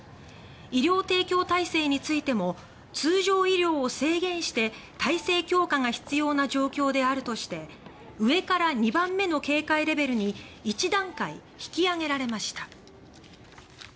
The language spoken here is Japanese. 医療提供体制についても通常医療を制限して体制強化が必要な状況であるとして上から２番目の警戒レベルに１段階引上げられました。